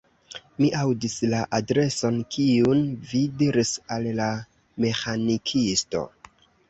Mi aŭdis la adreson, kiun vi diris al la meĥanikisto.